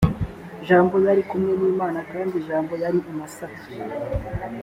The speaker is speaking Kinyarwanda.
jambo yari kumwe ni imana kandi jambo yari imasaka